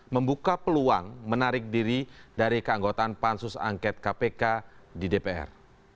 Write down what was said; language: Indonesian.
membuka peluang menarik diri dari keanggotaan pansus angket kpk di dpr